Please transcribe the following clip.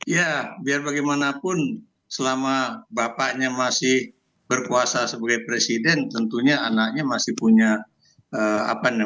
ya biar bagaimanapun selama bapaknya masih berkuasa sebagai presiden tentunya anaknya masih punya apa namanya